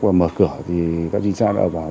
và mở cửa thì các chính sách đã bảo